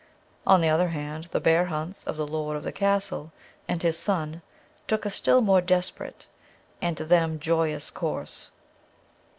On the other hand, the bear hunts of the lord of the castle and his son took a still more desperate and to them joyous course.